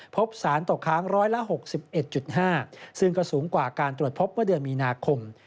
พบสารตกค้างร้อยละ๖๑๕ซึ่งก็สูงกว่าการตรวจพบเมื่อเดือนมีนาคม